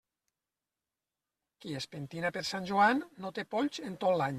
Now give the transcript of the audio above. Qui es pentina per Sant Joan, no té polls en tot l'any.